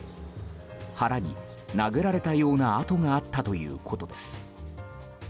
腹に殴られたような痕があったということです。